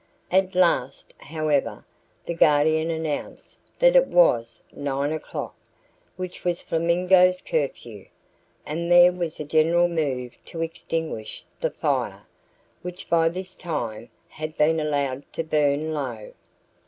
At last, however, the Guardian announced that it was 9 o'clock, which was Flamingo's curfew, and there was a general move to extinguish the fire, which by this time had been allowed to burn low.